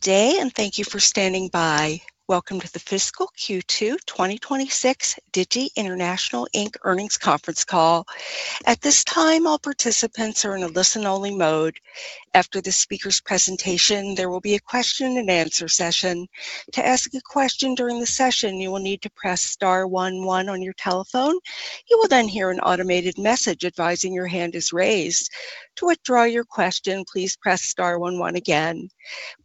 Good Day, thank you for standing by. Welcome to the Fiscal Q2 2026 Digi International Inc. Earnings Conference Call. At this time, all participants are in a listen-only mode. After the speaker's presentation, there will be a question and answer session. To ask a question during the session, you will need to press star one one on your telephone. You will hear an automated message advising your hand is raised. To withdraw your question, please press star one one again.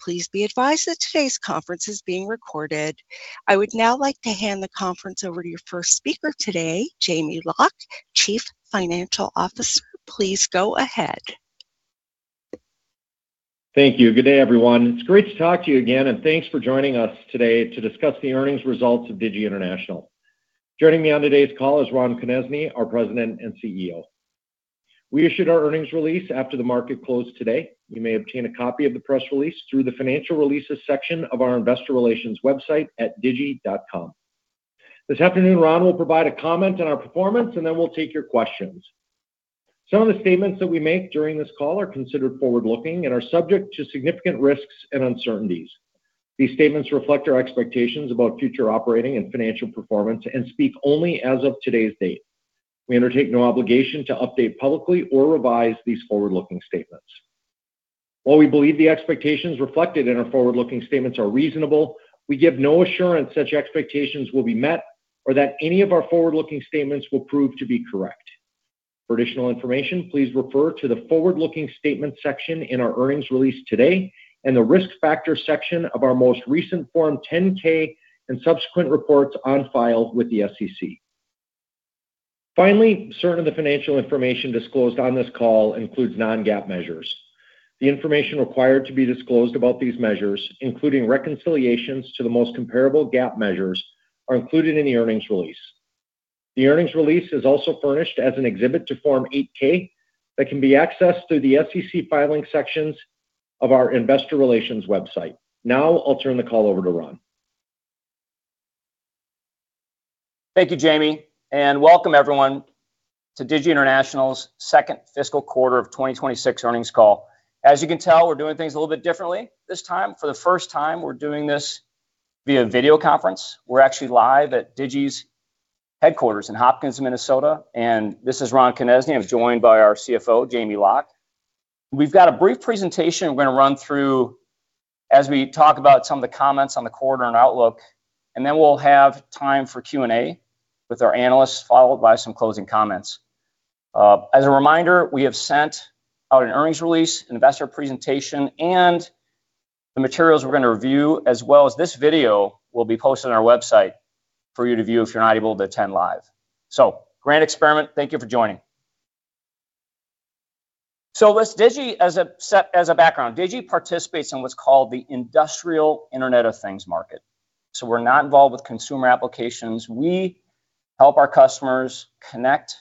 Please be advised that today's conference is being recorded. I would now like to hand the conference over to your first speaker today, Jamie Loch, Chief Financial Officer. Please go ahead. Thank you. Good day, everyone. It's great to talk to you again, and thanks for joining us today to discuss the earnings results of Digi International. Joining me on today's call is Ron Konezny, our President and CEO. We issued our earnings release after the market closed today. You may obtain a copy of the press release through the Financial Releases section of our investor relations website at digi.com. This afternoon, Ron will provide a comment on our performance, and then we'll take your questions. Some of the statements that we make during this call are considered forward-looking and are subject to significant risks and uncertainties. These statements reflect our expectations about future operating and financial performance and speak only as of today's date. We undertake no obligation to update publicly or revise these forward-looking statements. While we believe the expectations reflected in our forward-looking statements are reasonable, we give no assurance such expectations will be met or that any of our forward-looking statements will prove to be correct. For additional information, please refer to the Forward-Looking Statement section in our earnings release today and the Risk Factor section of our most recent Form 10-K and subsequent reports on file with the SEC. Finally, certain of the financial information disclosed on this call includes non-GAAP measures. The information required to be disclosed about these measures, including reconciliations to the most comparable GAAP measures, are included in the earnings release. The earnings release is also furnished as an exhibit to Form 8-K that can be accessed through the SEC Filings sections of our investor relations website. Now, I'll turn the call over to Ron. Thank you, Jamie, and welcome everyone to Digi International's 2nd fiscal quarter of 2026 earnings call. As you can tell, we're doing things a little bit differently this time. For the 1st time, we're doing this via video conference. We're actually live at Digi's headquarters in Hopkins, Minnesota, and this is Ron Konezny. I'm joined by our CFO, Jamie Loch. We've got a brief presentation we're gonna run through as we talk about some of the comments on the quarter and outlook, and then we'll have time for Q&A with our analysts, followed by some closing comments. As a reminder, we have sent out an earnings release, investor presentation, and the materials we're gonna review, as well as this video will be posted on our website for you to view if you're not able to attend live. Great experiment. Thank you for joining. With Digi as a set-- as a background, Digi participates in what's called the industrial Internet of Things market. We're not involved with consumer applications. We help our customers connect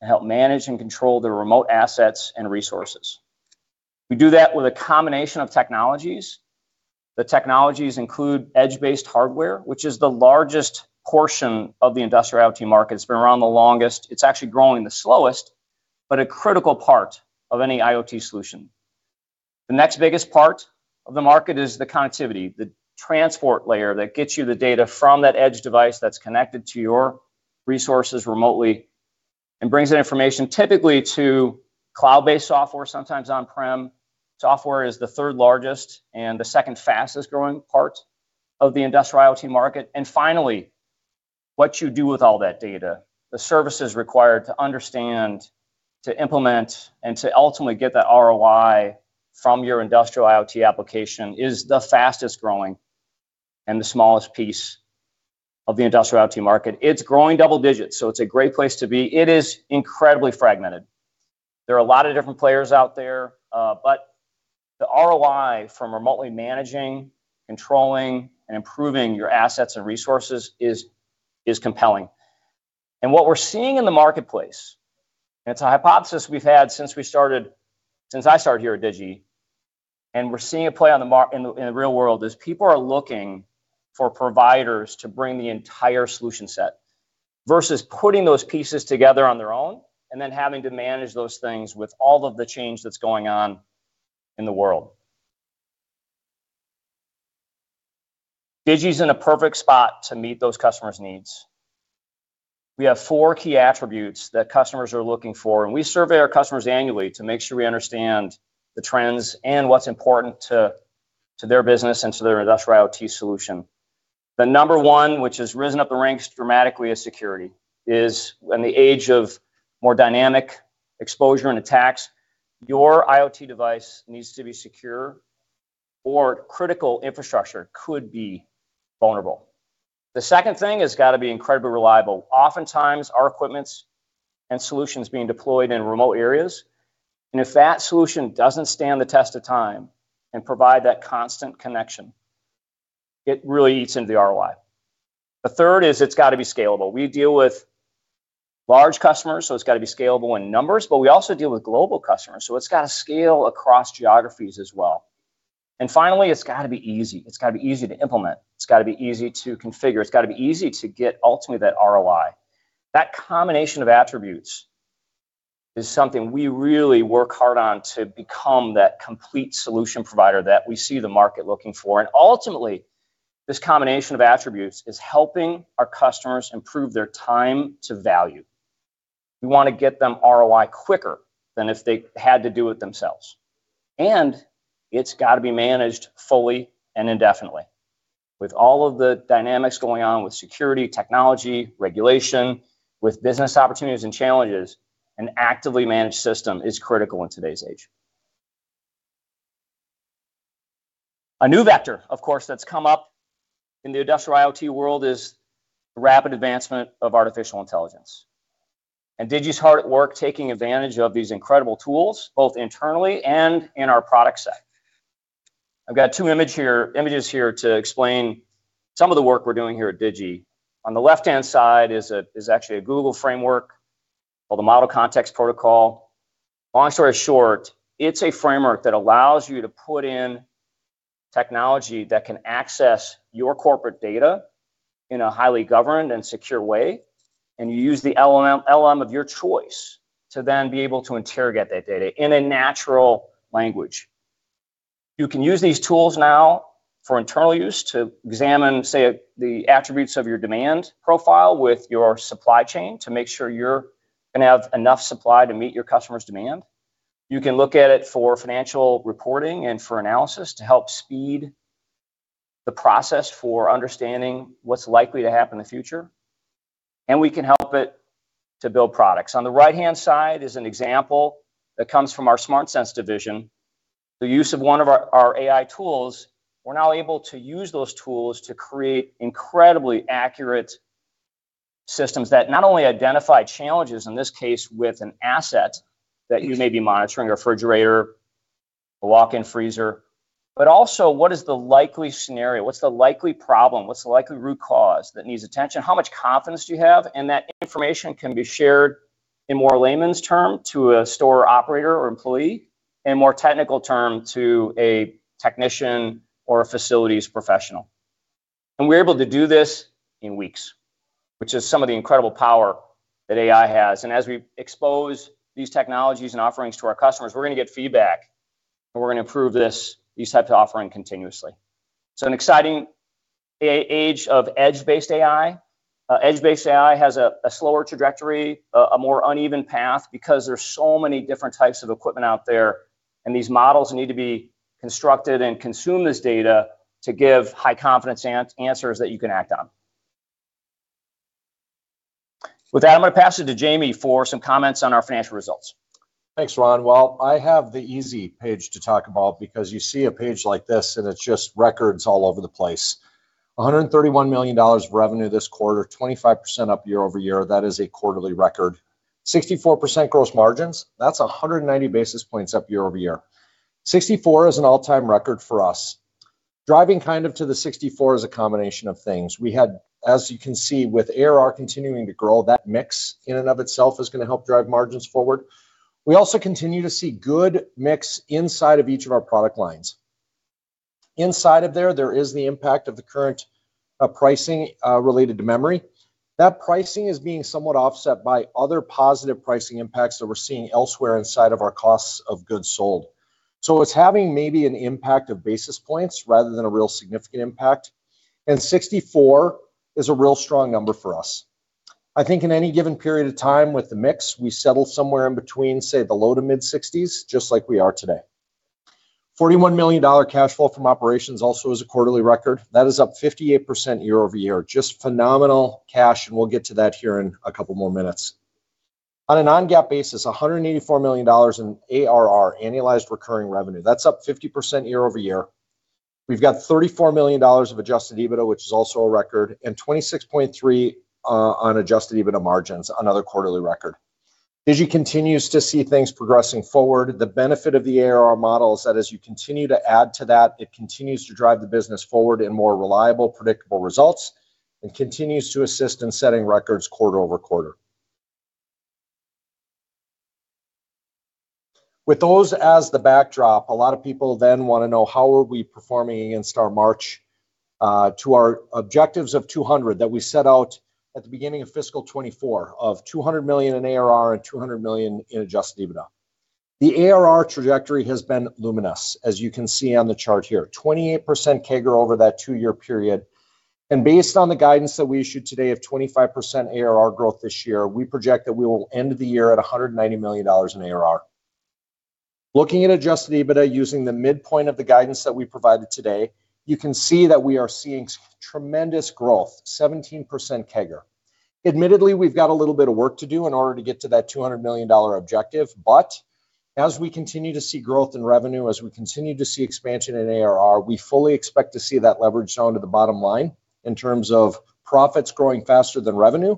and help manage and control their remote assets and resources. We do that with a combination of technologies. The technologies include edge-based hardware, which is the largest portion of the industrial IoT market. It's been around the longest. It's actually growing the slowest, but a critical part of any IoT solution. The next biggest part of the market is the connectivity, the transport layer that gets you the data from that edge device that's connected to your resources remotely and brings that information typically to cloud-based software, sometimes on-prem. Software is the third largest and the second fastest-growing part of the industrial IoT market. Finally, what you do with all that data. The services required to understand, to implement, and to ultimately get that ROI from your industrial IoT application is the fastest-growing and the smallest piece of the industrial IoT market. It's growing double digits, so it's a great place to be. It is incredibly fragmented. There are a lot of different players out there, but the ROI from remotely managing, controlling, and improving your assets and resources is compelling. What we're seeing in the marketplace, it's a hypothesis we've had since I started here at Digi, and we're seeing it play in the real world, is people are looking for providers to bring the entire solution set versus putting those pieces together on their own and then having to manage those things with all of the change that's going on in the world. Digi's in a perfect spot to meet those customers' needs. We have four key attributes that customers are looking for, and we survey our customers annually to make sure we understand the trends and what's important to their business and to their industrial IoT solution. The number one, which has risen up the ranks dramatically, is security, is in the age of more dynamic exposure and attacks, your IoT device needs to be secure or critical infrastructure could be vulnerable. The second thing, it's gotta be incredibly reliable. Oftentimes, our equipment's and solutions being deployed in remote areas, and if that solution doesn't stand the test of time and provide that constant connection, it really eats into the ROI. The third is it's gotta be scalable. We deal with large customers, so it's gotta be scalable in numbers, but we also deal with global customers, so it's gotta scale across geographies as well. Finally, it's gotta be easy. It's gotta be easy to implement. It's gotta be easy to configure. It's gotta be easy to get ultimately that ROI. That combination of attributes is something we really work hard on to become that complete solution provider that we see the market looking for. Ultimately, this combination of attributes is helping our customers improve their time to value. We wanna get them ROI quicker than if they had to do it themselves, and it's gotta be managed fully and indefinitely. With all of the dynamics going on with security, technology, regulation, with business opportunities and challenges, an actively managed system is critical in today's age. A new vector, of course, that's come up in the industrial IoT world is the rapid advancement of artificial intelligence. Digi's hard at work taking advantage of these incredible tools, both internally and in our product set. I've got two images here to explain some of the work we're doing here at Digi. On the left-hand side is actually a Google framework called the Model Context Protocol. Long story short, it's a framework that allows you to put in technology that can access your corporate data in a highly governed and secure way, and you use the LLM of your choice to then be able to interrogate that data in a natural language. You can use these tools now for internal use to examine, say, the attributes of your demand profile with your supply chain to make sure you're gonna have enough supply to meet your customers' demand. You can look at it for financial reporting and for analysis to help speed the process for understanding what's likely to happen in the future. We can help it to build products. On the right-hand side is an example that comes from our SmartSense division. The use of one of our AI tools, we're now able to use those tools to create incredibly accurate systems that not only identify challenges, in this case with an asset that you may be monitoring, a refrigerator, a walk-in freezer, but also what is the likely scenario? What's the likely problem? What's the likely root cause that needs attention? How much confidence do you have? That information can be shared in more layman's term to a store operator or employee, in more technical term to a technician or a facilities professional. We're able to do this in weeks, which is some of the incredible power that AI has. As we expose these technologies and offerings to our customers, we're gonna get feedback, and we're gonna improve these types of offering continuously. An exciting age of edge-based AI. Edge-based AI has a slower trajectory, a more uneven path because there's so many different types of equipment out there, and these models need to be constructed and consume this data to give high confidence answers that you can act on. With that, I'm gonna pass it to Jamie for some comments on our financial results. Thanks, Ron. Well, I have the easy page to talk about because you see a page like this, and it's just records all over the place. $131 million revenue this quarter, 25% up year-over-year. That is a quarterly record. 64% gross margins, that's 190 basis points up year-over-year. 64% is an all-time record for us. Driving kind of to the 64% is a combination of things. We had, as you can see, with ARR continuing to grow, that mix in and of itself is gonna help drive margins forward. We also continue to see good mix inside of each of our product lines. Inside of there is the impact of the current pricing related to memory. That pricing is being somewhat offset by other positive pricing impacts that we're seeing elsewhere inside of our costs of goods sold. It's having maybe an impact of basis points rather than a real significant impact, and 64% is a real strong number for us. I think in any given period of time with the mix, we settle somewhere in between, say, the low to mid-60s%, just like we are today. $41 million cash flow from operations also is a quarterly record. That is up 58% year-over-year. Just phenomenal cash, and we'll get to that here in a couple more minutes. On a non-GAAP basis, $184 million in ARR, annualized recurring revenue. That's up 50% year-over-year. We've got $34 million of adjusted EBITDA, which is also a record, and 26.3% on adjusted EBITDA margins, another quarterly record. Digi continues to see things progressing forward. The benefit of the ARR model is that as you continue to add to that, it continues to drive the business forward in more reliable, predictable results and continues to assist in setting records quarter over quarter. With those as the backdrop, a lot of people then wanna know how are we performing against our March, to our objectives of 200 that we set out at the beginning of fiscal 2024 of $200 million in ARR and $200 million in adjusted EBITDA. The ARR trajectory has been luminous, as you can see on the chart here. 28% CAGR over that two-year period. Based on the guidance that we issued today of 25% ARR growth this year, we project that we will end the year at $190 million in ARR. Looking at adjusted EBITDA using the midpoint of the guidance that we provided today, you can see that we are seeing tremendous growth, 17% CAGR. Admittedly, we've got a little bit of work to do in order to get to that $200 million objective. As we continue to see growth in revenue, as we continue to see expansion in ARR, we fully expect to see that leverage down to the bottom line in terms of profits growing faster than revenue.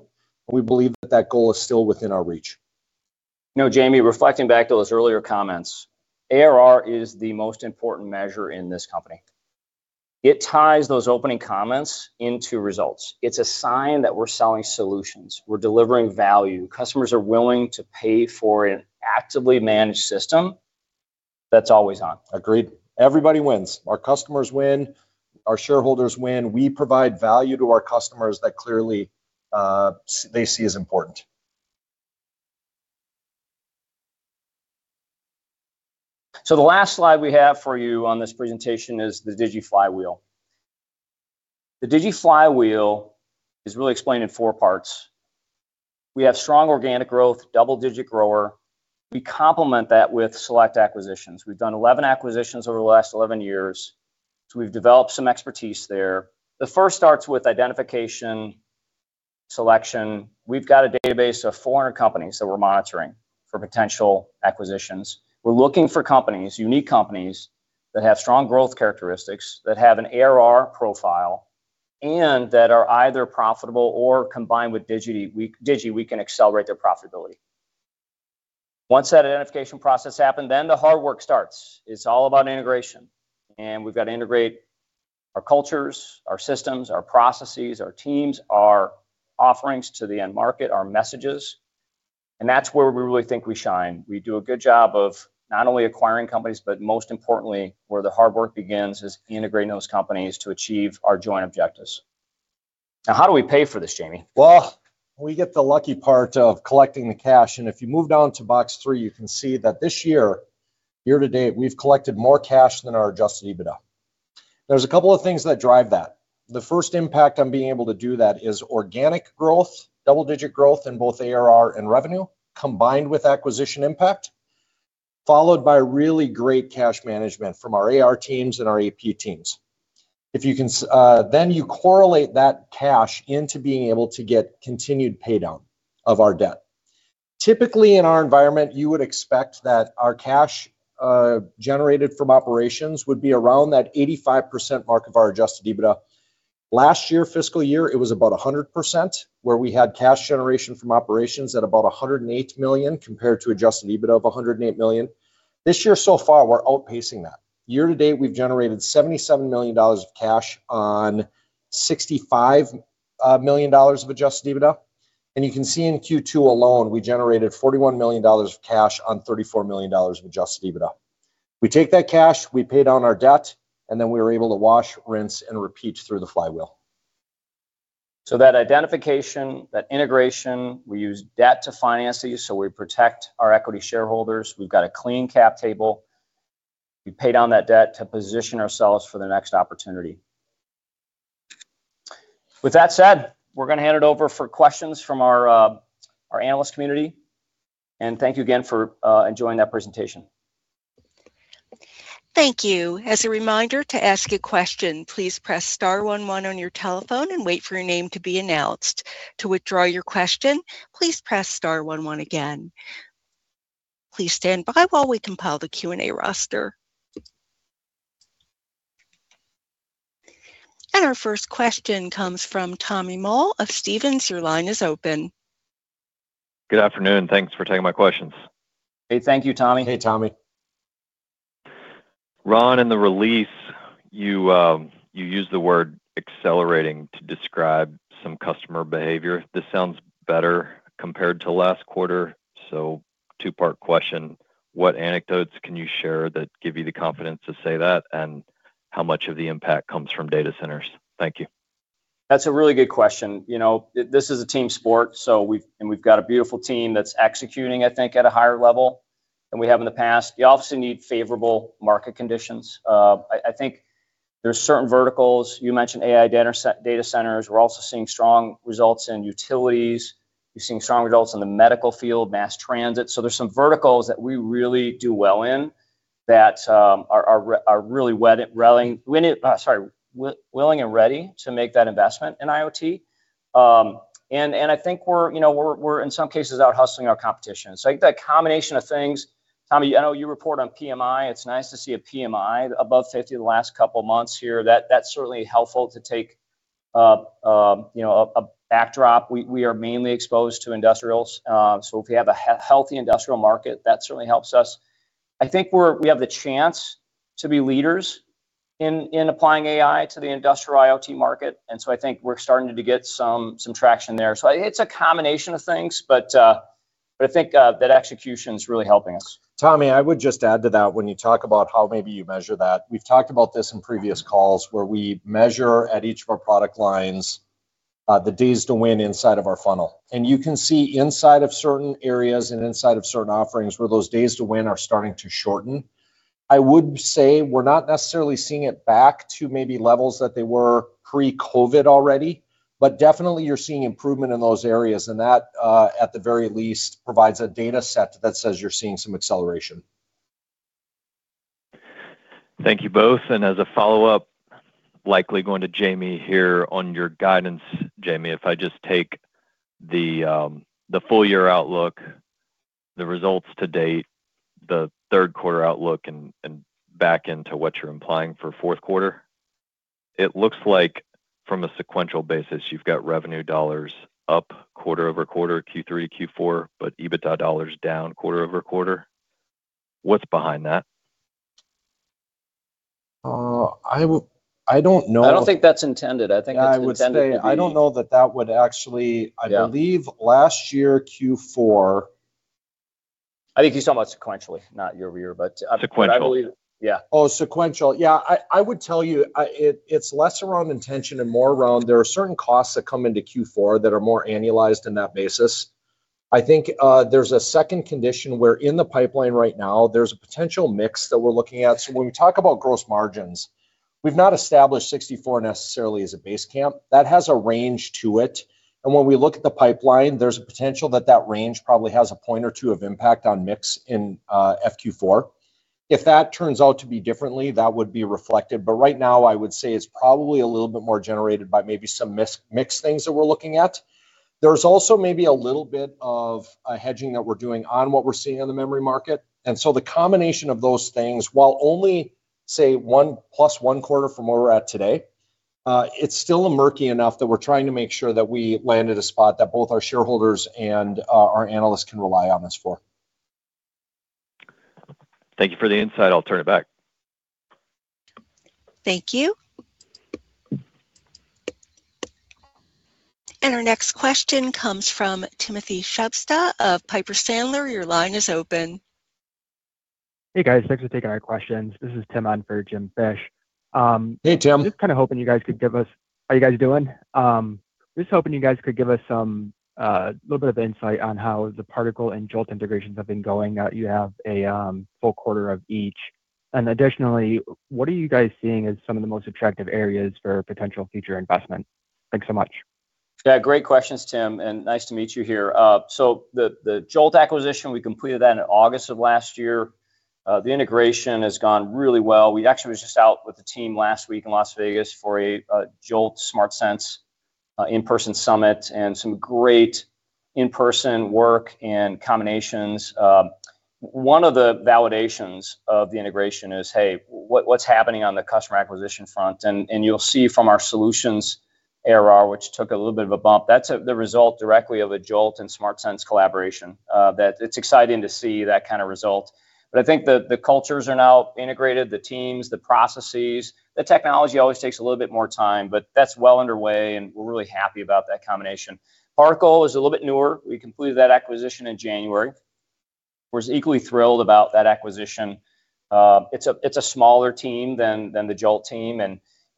We believe that that goal is still within our reach. You know, Jamie, reflecting back to those earlier comments, ARR is the most important measure in this company. It ties those opening comments into results. It's a sign that we're selling solutions. We're delivering value. Customers are willing to pay for an actively managed system. That's always hot. Agreed. Everybody wins. Our customers win, our shareholders win. We provide value to our customers that clearly, they see as important. The last slide we have for you on this presentation is the Digi flywheel. The Digi flywheel is really explained in four parts. We have strong organic growth, double-digit grower. We complement that with select acquisitions. We've done 11 acquisitions over the last 11 years, so we've developed some expertise there. The first starts with identification, selection. We've got a database of 400 companies that we're monitoring for potential acquisitions. We're looking for companies, unique companies, that have strong growth characteristics, that have an ARR profile, and that are either profitable or, combined with Digi, we can accelerate their profitability. Once that identification process happened, then the hard work starts. It's all about integration, we've got to integrate our cultures, our systems, our processes, our teams, our offerings to the end market, our messages, and that's where we really think we shine. We do a good job of not only acquiring companies, but most importantly, where the hard work begins is integrating those companies to achieve our joint objectives. Now, how do we pay for this, Jamie? Well, we get the lucky part of collecting the cash. If you move down to box three, you can see that this year to date, we've collected more cash than our adjusted EBITDA. There's a couple of things that drive that. The first impact on being able to do that is organic growth, double-digit growth in both ARR and revenue, combined with acquisition impact, followed by really great cash management from our AR teams and our AP teams. If you can correlate that cash into being able to get continued pay down of our debt. Typically, in our environment, you would expect that our cash generated from operations would be around that 85% mark of our adjusted EBITDA. Last year, fiscal year, it was about 100%, where we had cash generation from operations at about $108 million compared to adjusted EBITDA of $108 million. This year so far, we're outpacing that. Year to date, we've generated $77 million of cash on $65 million of adjusted EBITDA. You can see in Q2 alone, we generated $41 million of cash on $34 million of adjusted EBITDA. We take that cash, we pay down our debt, and then we are able to wash, rinse, and repeat through the flywheel. That identification, that integration, we use debt to finance these, so we protect our equity shareholders. We've got a clean cap table. We pay down that debt to position ourselves for the next opportunity. With that said, we're gonna hand it over for questions from our analyst community, and thank you again for enjoying that presentation. Thank you. Our first question comes from Tommy Moll of Stephens. Your line is open. Good afternoon. Thanks for taking my questions. Hey, thank you, Tommy. Hey, Tommy. Ron, in the release, you used the word accelerating to describe some customer behavior. This sounds better compared to last quarter. Two-part question. What anecdotes can you share that give you the confidence to say that, and how much of the impact comes from data centers? Thank you. That's a really good question. You know, this is a team sport, so we've got a beautiful team that's executing, I think, at a higher level than we have in the past. You obviously need favorable market conditions. I think there's certain verticals. You mentioned AI data centers. We're also seeing strong results in utilities. We're seeing strong results in the medical field, mass transit. There's some verticals that we really do well in that are really willing and ready to make that investment in IoT. I think we're, you know, we're in some cases out-hustling our competition. I think that combination of things Tommy, I know you report on PMI. It's nice to see a PMI above 50 the last couple months here. That's certainly helpful to take, you know, a backdrop. We are mainly exposed to industrials. If we have a healthy industrial market, that certainly helps us. I think we have the chance to be leaders in applying AI to the industrial IoT market, and so I think we're starting to get some traction there. It's a combination of things, but I think that execution's really helping us. Tommy, I would just add to that when you talk about how maybe you measure that. We've talked about this in previous calls where we measure at each of our product lines, the days to win inside of our funnel. You can see inside of certain areas and inside of certain offerings where those days to win are starting to shorten. I would say we're not necessarily seeing it back to maybe levels that they were pre-COVID already, but definitely you're seeing improvement in those areas, and that, at the very least, provides a data set that says you're seeing some acceleration. Thank you both. As a follow-up, likely going to Jamie here on your guidance, Jamie, if I just take the full year outlook, the results to date, the third quarter outlook and back into what you're implying for fourth quarter, it looks like from a sequential basis, you've got revenue dollars up quarter-over-quarter, Q3 to Q4, but EBITDA dollars down quarter-over-quarter. What's behind that? I will, I don't know. I don't think that's intended. I think that's intended. I would say I don't know that that would actually. Yeah. I believe last year Q4. I think he's talking about sequentially, not year-over-year. Sequential. I believe Yeah. Sequential. Yeah. I would tell you, it's less around intention and more around there are certain costs that come into Q4 that are more annualized in that basis. I think there's a second condition where in the pipeline right now there's a potential mix that we're looking at. When we talk about gross margins, we've not established 64% necessarily as a base camp. That has a range to it. When we look at the pipeline, there's a potential that that range probably has a point or two of impact on mix in FQ4. If that turns out to be differently, that would be reflected. Right now I would say it's probably a little bit more generated by maybe some mix things that we're looking at. There's also maybe a little bit of a hedging that we're doing on what we're seeing in the memory market. The combination of those things, while only, say, one, plus one quarter from where we're at today, it's still murky enough that we're trying to make sure that we land at a spot that both our shareholders and our analysts can rely on us for. Thank you for the insight. I'll turn it back. Thank you. Our next question comes from Timothy Shubsda of Piper Sandler. Your line is open. Hey, guys. Thanks for taking our questions. This is Tim on for James Fish. Hey, Tim. How you guys doing? Just hoping you guys could give us some a little bit of insight on how the Particle and Jolt integrations have been going now you have a full quarter of each. Additionally, what are you guys seeing as some of the most attractive areas for potential future investment? Thanks so much. Yeah, great questions, Tim, and nice to meet you here. The Jolt acquisition, we completed that in August of last year. The integration has gone really well. We actually was just out with the team last week in Las Vegas for a Jolt SmartSense in-person summit, and some great in-person work and combinations. One of the validations of the integration is, hey, what's happening on the customer acquisition front? You'll see from our solutions ARR, which took a little bit of a bump, that's the result directly of a Jolt and SmartSense collaboration. That it's exciting to see that kind of result. I think the cultures are now integrated, the teams, the processes. The technology always takes a little bit more time, but that's well underway, and we're really happy about that combination. Particle is a little bit newer. We completed that acquisition in January. We're as equally thrilled about that acquisition. It's a smaller team than the Jolt team,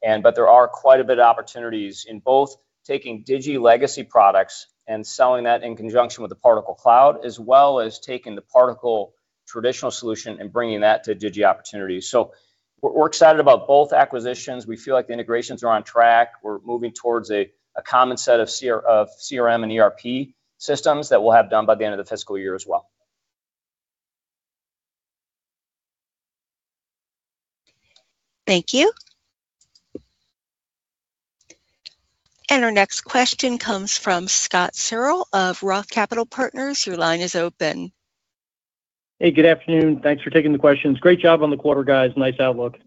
there are quite a bit of opportunities in both taking Digi legacy products and selling that in conjunction with the Particle cloud, as well as taking the Particle traditional solution and bringing that to Digi opportunities. We're excited about both acquisitions. We feel like the integrations are on track. We're moving towards a common set of CRM and ERP systems that we'll have done by the end of the fiscal year as well. Thank you. Our next question comes from Scott Searle of ROTH Capital Partners. Your line is open. Hey, good afternoon. Thanks for taking the questions. Great job on the quarter, guys. Nice outlook.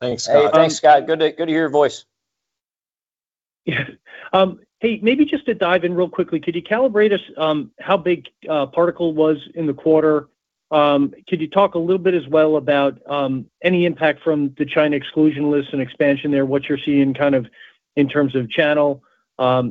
Thanks, Scott. Hey, thanks, Scott. Good to hear your voice. Hey, maybe just to dive in real quickly, could you calibrate us, how big Particle was in the quarter? Could you talk a little bit as well about any impact from the China exclusion list and expansion there, what you're seeing kind of in terms of channel,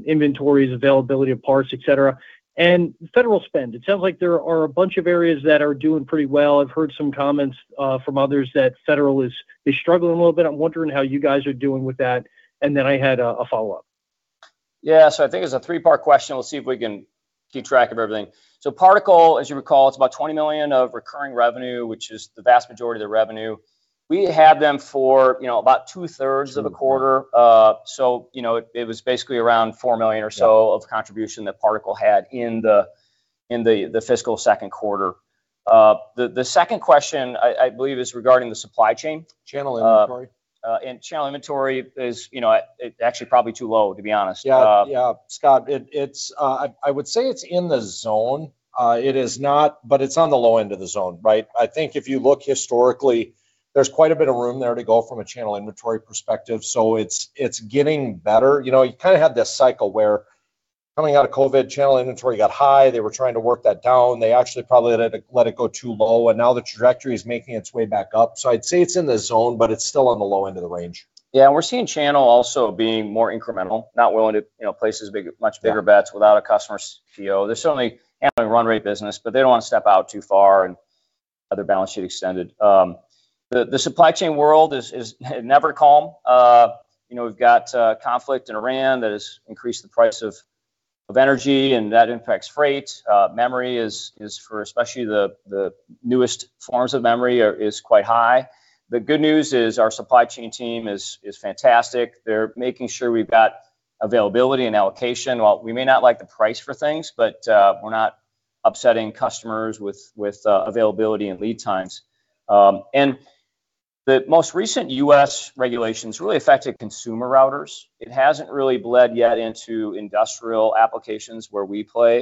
inventories, availability of parts, et cetera? Federal spend. It sounds like there are a bunch of areas that are doing pretty well. I've heard some comments from others that federal is struggling a little bit. I'm wondering how you guys are doing with that. Then I had a one follow-up. Yeah, I think it's a three-part question. We'll see if we can keep track of everything. Particle, as you recall, it's about $20 million of recurring revenue, which is the vast majority of the revenue. We had them for, you know, about two-thirds of a quarter. You know, it was basically around $4 million or so of contribution that Particle had in the fiscal second quarter. The second question I believe is regarding the supply chain. Channel inventory. Channel inventory is, you know, it actually probably too low, to be honest. Yeah. Yeah. Scott, it's, I would say it's in the zone. It is not, but it's on the low end of the zone, right? I think if you look historically, there's quite a bit of room there to go from a channel inventory perspective, so it's getting better. You know, you kind of had this cycle where coming out of COVID, channel inventory got high. They were trying to work that down. They actually probably let it go too low. Now the trajectory is making its way back up. I'd say it's in the zone, but it's still on the low end of the range. Yeah, we're seeing channel also being more incremental, not willing to, you know, place much bigger bets without a customer PO. There's certainly annual run rate business, but they don't want to step out too far and have their balance sheet extended. The supply chain world is never calm. You know, we've got conflict in Iran that has increased the price of energy, and that impacts freight. Memory is for especially the newest forms of memory is quite high. The good news is our supply chain team is fantastic. They're making sure we've got availability and allocation. While we may not like the price for things, but we're not upsetting customers with availability and lead times. The most recent U.S. regulations really affected consumer routers. It hasn't really bled yet into industrial applications where we play.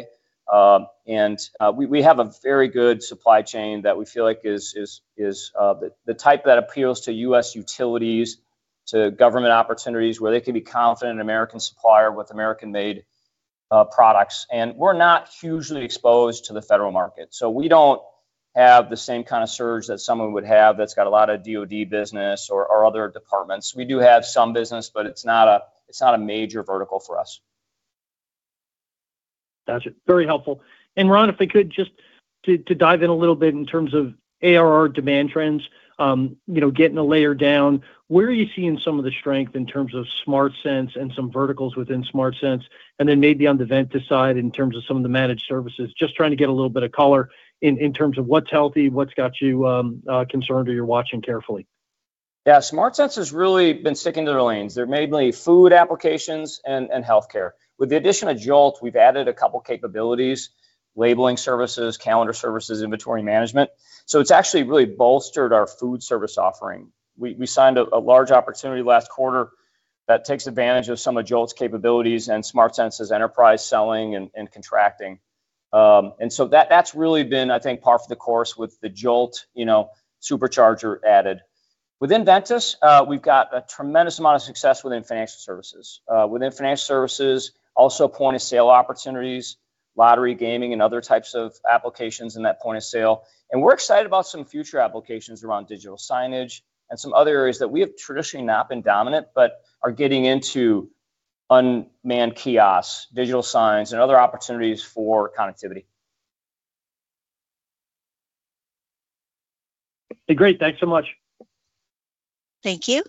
We have a very good supply chain that we feel like is the type that appeals to U.S. utilities, to government opportunities where they can be confident an American supplier with American-made products. We're not hugely exposed to the federal market, so we don't have the same kind of surge that someone would have that's got a lot of DOD business or other departments. We do have some business, but it's not a major vertical for us. Gotcha. Very helpful. Ron, if we could just to dive in a little bit in terms of ARR demand trends, you know, getting a layer down, where are you seeing some of the strength in terms of SmartSense and some verticals within SmartSense, and then maybe on the Ventus side in terms of some of the managed services? Just trying to get a little bit of color in terms of what's healthy, what's got you concerned or you're watching carefully. Yeah. SmartSense has really been sticking to their lanes. They're mainly food applications and healthcare. With the addition of Jolt, we've added a couple capabilities, labeling services, calendar services, inventory management. It's actually really bolstered our food service offering. We signed a large opportunity last quarter that takes advantage of some of Jolt's capabilities and SmartSense's enterprise selling and contracting. That's really been, I think, par for the course with the Jolt, you know, supercharger added. Within Ventus, we've got a tremendous amount of success within financial services. Within financial services, also point-of-sale opportunities, lottery gaming and other types of applications in that point of sale. We're excited about some future applications around digital signage and some other areas that we have traditionally not been dominant but are getting into unmanned kiosks, digital signs, and other opportunities for connectivity. Great. Thanks so much. Thank you.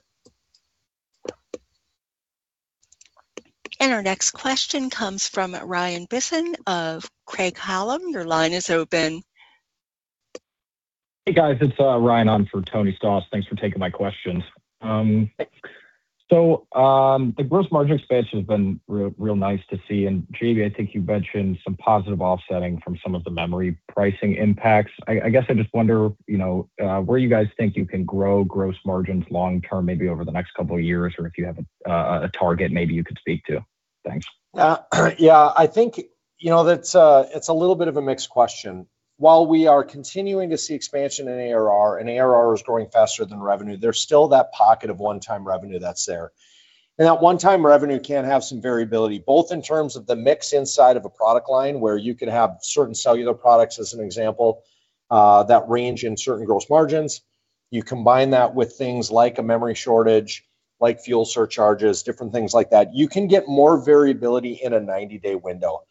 Our next question comes from Rian Bisson of Craig-Hallum. Your line is open. Hey, guys. It's Rian on for Anthony Stoss. Thanks for taking my questions. The gross margin expansion has been real nice to see. Jamie, I think you mentioned some positive offsetting from some of the memory pricing impacts. I guess I just wonder, you know, where you guys think you can grow gross margins long term, maybe over the next couple of years, or if you have a target maybe you could speak to. Thanks. Yeah, I think, you know, that's, it's a little bit of a mixed question. While we are continuing to see expansion in ARR, and ARR is growing faster than revenue, there's still that pocket of one-time revenue that's there. That one-time revenue can have some variability, both in terms of the mix inside of a product line, where you can have certain cellular products as an example, that range in certain gross margins. You combine that with things like a memory shortage, like fuel surcharges, different things like that, you can get more variability in a 90-day window.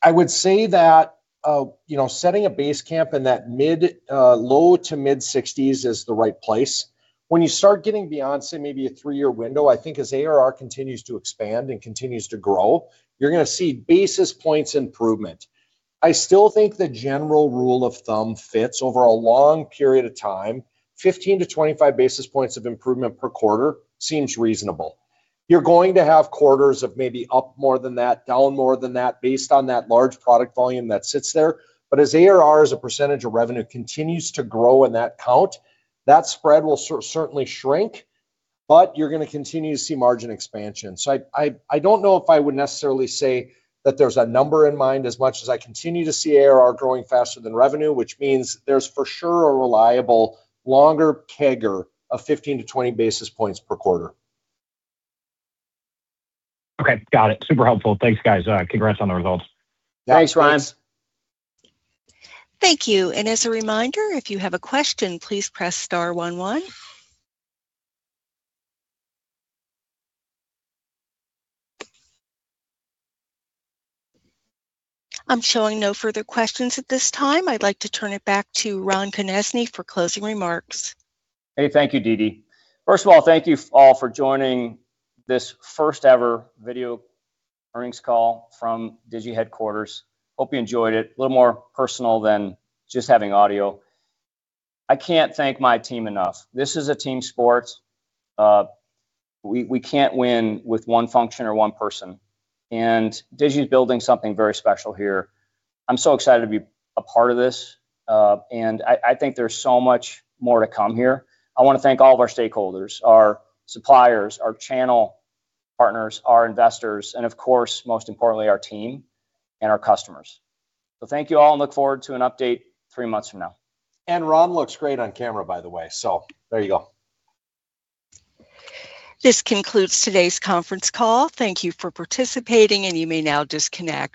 I would say that, you know, setting a base camp in that mid, low to mid-60s% is the right place. When you start getting beyond, say, maybe a three-year window, I think as ARR continues to expand and continues to grow, you're gonna see basis points improvement. I still think the general rule of thumb fits over a long period of time. 15 basis points-25 basis points of improvement per quarter seems reasonable. You're going to have quarters of maybe up more than that, down more than that based on that large product volume that sits there. As ARR as a percentage of revenue continues to grow in that count, that spread will certainly shrink, but you're gonna continue to see margin expansion. I don't know if I would necessarily say that there's a number in mind as much as I continue to see ARR growing faster than revenue, which means there's for sure a reliable longer CAGR of 15-20 basis points per quarter. Okay. Got it. Super helpful. Thanks, guys. Congrats on the results. Thanks, Rian. Yeah. Thanks. Thank you. As a reminder, if you have a question, please press star one one. I'm showing no further questions at this time. I'd like to turn it back to Ron Konezny for closing remarks. Hey, thank you, Dee Dee. First of all, thank you all for joining this first ever video earnings call from Digi headquarters. Hope you enjoyed it. A little more personal than just having audio. I can't thank my team enough. This is a team sport. We can't win with one function or one person, and Digi's building something very special here. I'm so excited to be a part of this. I think there's so much more to come here. I wanna thank all of our stakeholders, our suppliers, our channel partners, our investors. Of course, most importantly, our team and our customers. Thank you all and look forward to an update three months from now. Ron looks great on camera, by the way, so there you go. This concludes today's conference call. Thank you for participating, and you may now disconnect.